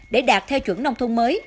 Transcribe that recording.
để đạt theo chuẩn nông thôn mới